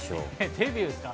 デビューですか？